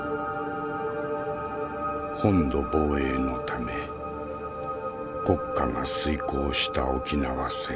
本土防衛のため国家が遂行した沖縄戦。